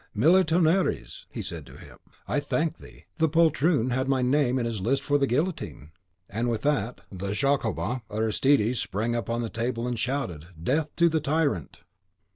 "Mille tonnerres," he said to him, "I thank thee; the poltroon had my name in his list for the guillotine." With that the Jacobin Aristides sprang upon the table and shouted, "Death to the Tyrant!" CHAPTER 7.